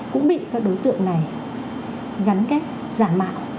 cũng bị các đối tượng này gắn kết giả mạo